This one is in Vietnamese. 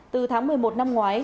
từ tháng một mươi một năm ngoái